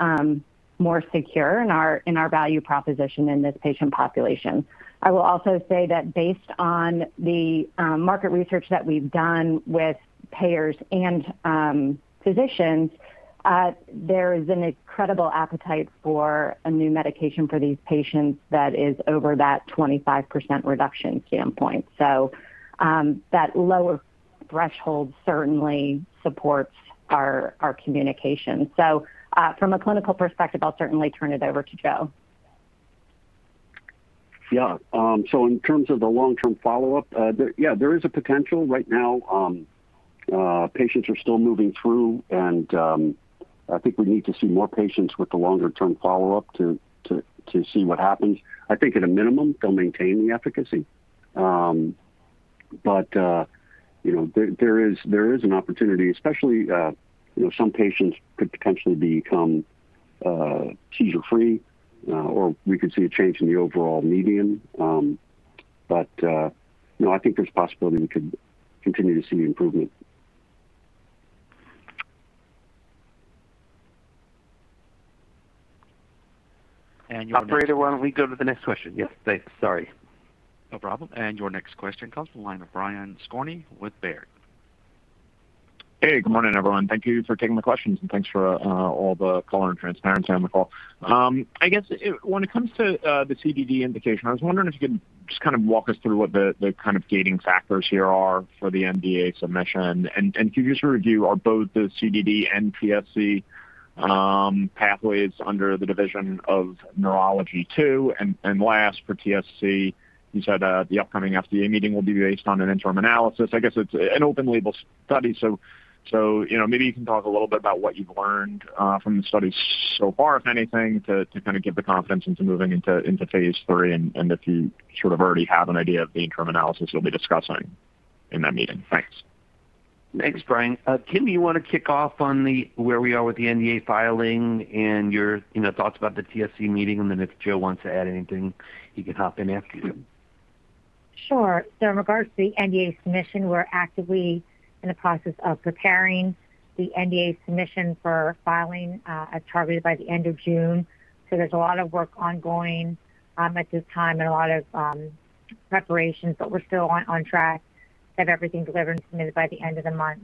more secure in our value proposition in this patient population. I will also say that based on the market research that we've done with payers and physicians, there is an incredible appetite for a new medication for these patients that is over that 25% reduction standpoint. That lower threshold certainly supports our communication. From a clinical perspective, I'll certainly turn it over to Joe. Yeah. In terms of the long-term follow-up, there is a potential. Right now, patients are still moving through, and I think we need to see more patients with the longer-term follow-up to see what happens. I think at a minimum, they'll maintain the efficacy. There is an opportunity, especially some patients could potentially become seizure-free, or we could see a change in the overall median. No, I think there's a possibility we could continue to see improvement. Operator, why don't we go to the next question? Yes, thanks. Sorry. No problem. Your next question comes from the line of Brian Skorney with Baird. Hey, good morning, everyone. Thank you for taking the questions, and thanks for all the color and transparency on the call. I guess when it comes to the CDD indication, I was wondering if you could just kind of walk us through what the gating factors here are for the NDA submission. Can you just review, are both the CDD and TSC pathways under the Division of Neurology II? Last, for TSC, you said the upcoming FDA meeting will be based on an interim analysis. I guess it's an open label study, so maybe you can talk a little bit about what you've learned from the study so far, if anything, to kind of give the confidence into moving into phase III, and if you sort of already have an idea of the interim analysis you'll be discussing in that meeting. Thanks. Thanks, Brian. Kim, you want to kick off on where we are with the NDA filing and your thoughts about the TSC meeting? If Joe wants to add anything, he can hop in after you. Sure. In regards to the NDA submission, we're actively in the process of preparing the NDA submission for filing as targeted by the end of June. There's a lot of work ongoing at this time and a lot of preparations, but we're still on track to have everything delivered and submitted by the end of the month.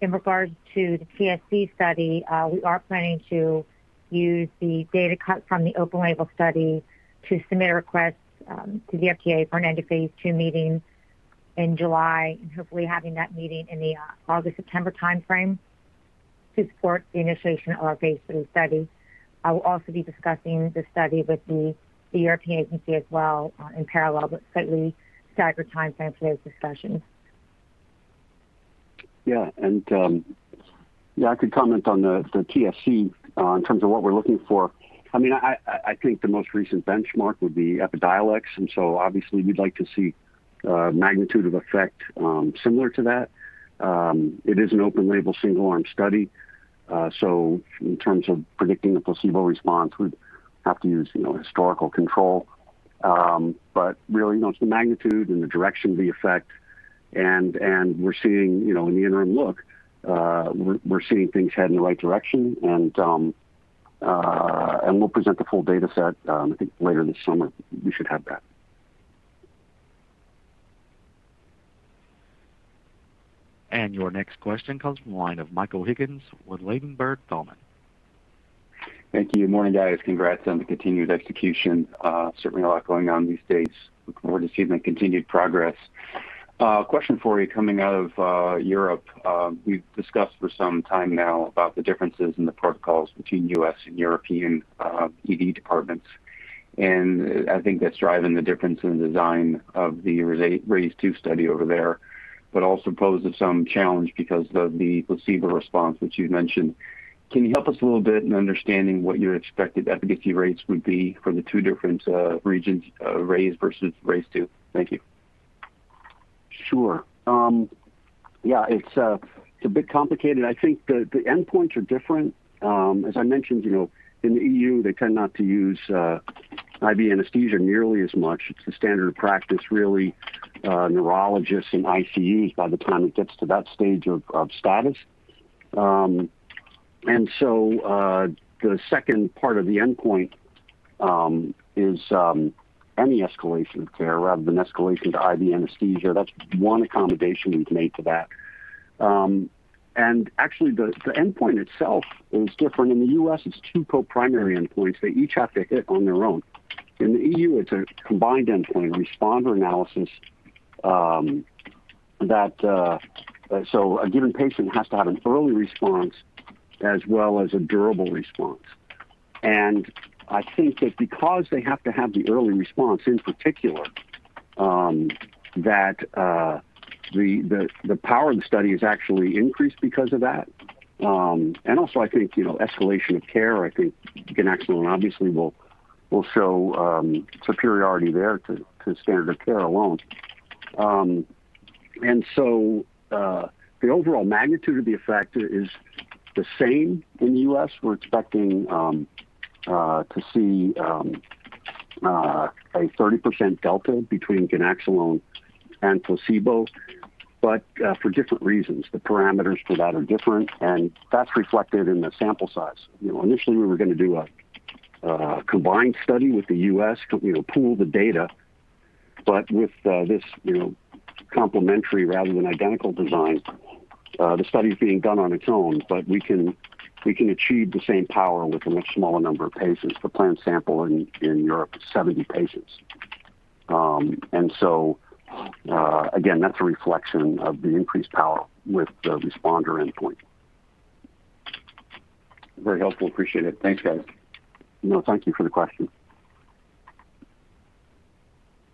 In regards to the TSC study, we are planning to use the data cut from the open label study to submit a request to the FDA for an end of phase II meeting in July. Hopefully having that meeting in the August, September timeframe to support the initiation of our phase III study. I will also be discussing the study with the European agency as well, in parallel, but slightly staggered timeframe for those discussions. Yeah. I could comment on the TSC in terms of what we're looking for. I think the most recent benchmark would be EPIDIOLEX, obviously we'd like to see a magnitude of effect similar to that. It is an open label, single arm study. In terms of predicting the placebo response, we'd have to use historical control. Really, it's the magnitude and the direction of the effect. In the interim look, we're seeing things head in the right direction. We'll present the full data set. I think later this summer, we should have that. Your next question comes from the line of Michael Higgins with Ladenburg Thalmann. Thank you. Morning, guys. Congrats on the continued execution. Certainly a lot going on these days. Looking forward to seeing the continued progress. A question for you coming out of Europe. We've discussed for some time now about the differences in the protocols between U.S. and European ED departments. I think that's driving the difference in the design of the RAISE II study over there. Also poses some challenge because of the placebo response, which you'd mentioned. Can you help us a little bit in understanding what your expected efficacy rates would be for the two different regions, RAISE versus RAISE II? Thank you. Sure. Yeah, it's a bit complicated. I think the endpoints are different. As I mentioned, in the E.U., they tend not to use IV anesthesia nearly as much. It's the standard of practice, really, neurologists and ICU by the time it gets to that stage of status. The second part of the endpoint is any escalation of care rather than escalation to IV anesthesia. That's one accommodation we've made to that. The endpoint itself is different. In the U.S., it's two co-primary endpoints. They each have to hit on their own. In the E.U., it's a combined endpoint responder analysis. A given patient has to have an early response as well as a durable response. I think that because they have to have the early response in particular, that the power of the study is actually increased because of that. Also, I think, escalation of care, I think ganaxolone obviously will show superiority there to standard of care alone. The overall magnitude of the effect is the same in the U.S. We're expecting to see a 30% delta between ganaxolone and placebo. For different reasons, the parameters for that are different, and that's reflected in the sample size. Initially, we were going to do a combined study with the U.S. to pool the data. With this complementary rather than identical design, the study's being done on its own. We can achieve the same power with a much smaller number of patients. The planned sample in Europe is 70 patients. Again, that's a reflection of the increased power with the responder endpoint. Very helpful, appreciate it. Thanks, guys. No, thank you for the question.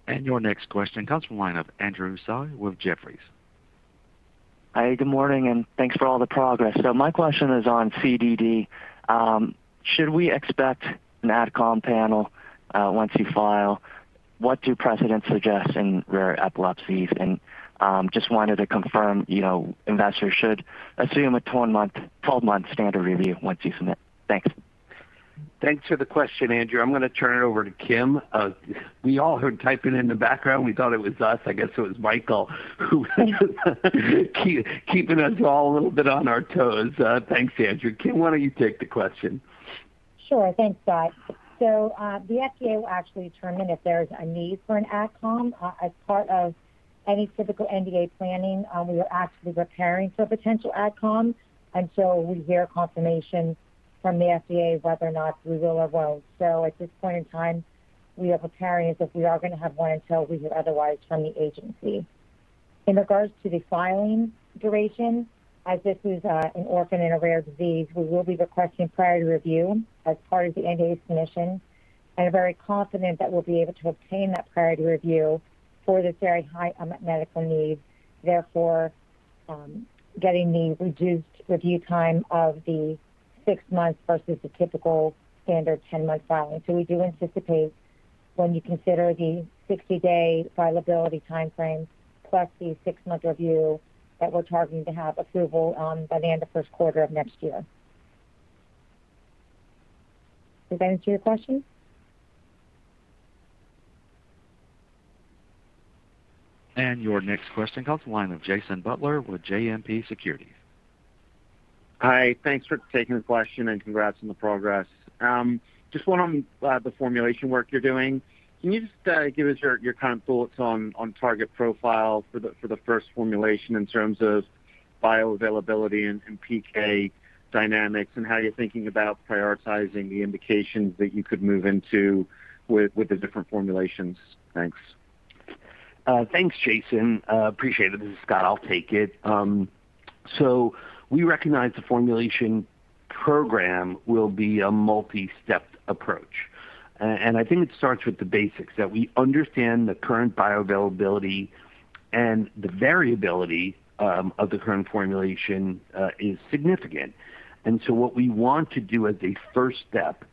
Your next question comes from the line of Andrew Tsai with Jefferies. Hi, good morning. Thanks for all the progress. My question is on CDD. Should we expect an AdComm panel once you file? What do precedents suggest in rare epilepsies? Just wanted to confirm investors should assume a 12-month standard review once you submit. Thanks. Thanks for the question, Andrew. I'm going to turn it over to Kim. We all heard typing in the background. We thought it was us. I guess it was Michael who was keeping us all a little bit on our toes. Thanks, Andrew. Kim, why don't you take the question? Sure. Thanks, Scott. The FDA will actually determine if there's a need for an AdComm as part of any typical NDA planning, we are actively preparing for potential AdComm until we hear confirmation from the FDA whether or not we will or won't. At this point in time, we are preparing as if we are going to have one until we hear otherwise from the agency. In regards to the filing duration, as this is an orphan and a rare disease, we will be requesting priority review as part of the NDA submission and are very confident that we'll be able to obtain that priority review for this very high unmet medical need, therefore, getting the reduced review time of the six months versus the typical standard 10-month filing. We do anticipate when you consider the 60-day filability timeframe plus the six-month review that we're targeting to have approval by the end of the first quarter of next year. Does that answer your question? Your next question comes the line of Jason Butler with JMP Securities. Hi. Thanks for taking the question and congrats on the progress. Just one on the formulation work you're doing. Can you just give us your thoughts on target profile for the first formulation in terms of bioavailability and PK dynamics and how you're thinking about prioritizing the indications that you could move into with the different formulations? Thanks. Thanks, Jason. Appreciate it. This is Scott, I'll take it. We recognize the formulation program will be a multi-step approach, and I think it starts with the basics that we understand the current bioavailability and the variability of the current formulation is significant. What we want to do as a first step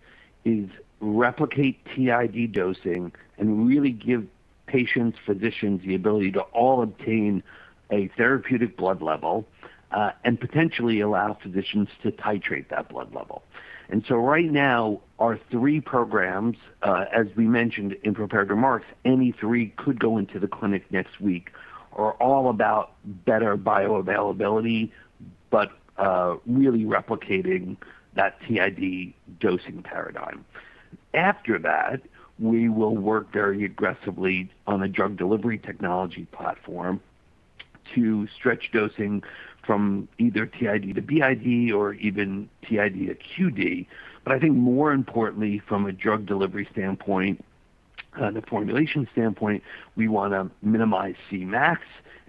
is replicate TID dosing and really give patients, physicians the ability to all obtain a therapeutic blood level, and potentially allow physicians to titrate that blood level. Right now our three programs, as we mentioned in prepared remarks, any three could go into the clinic next week, are all about better bioavailability, but really replicating that TID dosing paradigm. After that, we will work very aggressively on a drug delivery technology platform to stretch dosing from either TID to BID or even TID to QD. I think more importantly from a drug delivery standpoint and a formulation standpoint, we want to minimize Cmax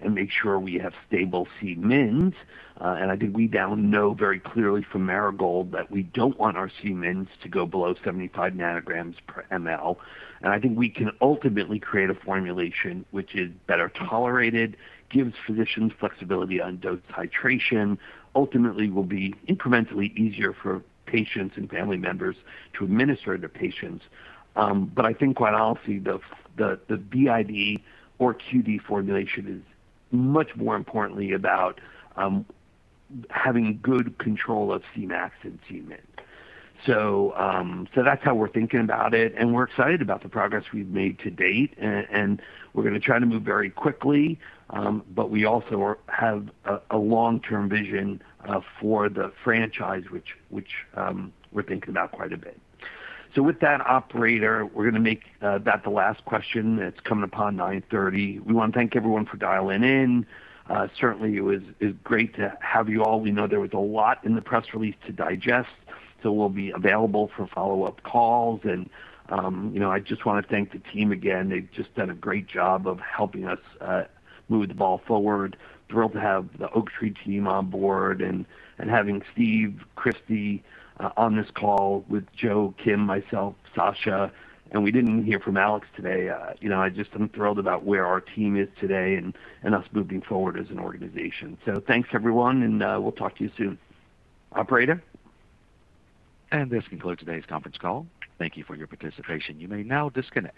and make sure we have stable Cmins. I think we now know very clearly from Marigold that we don't want our Cmins to go below 75 nanograms per ml. I think we can ultimately create a formulation which is better tolerated, gives physicians flexibility on dose titration, ultimately will be incrementally easier for patients and family members to administer to patients. I think quite honestly, the BID or QD formulation is much more importantly about having good control of Cmax and Cmin. That's how we're thinking about it, and we're excited about the progress we've made to date. We're going to try to move very quickly. We also have a long-term vision for the franchise, which we're thinking about quite a bit. With that, operator, we're going to make that the last question. It's coming upon 9:30 A.M. We want to thank everyone for dialing in. Certainly, it was great to have you all. We know there was a lot in the press release to digest. We'll be available for follow-up calls. I just want to thank the team again. They've just done a great job of helping us move the ball forward. Thrilled to have the Oaktree team on board and having Steve, Christy on this call with Joe, Kim, myself, Sasha, and we didn't hear from Alex today. I just am thrilled about where our team is today and us moving forward as an organization. Thanks, everyone, and we'll talk to you soon. Operator? This concludes today's conference call. Thank you for your participation. You may now disconnect.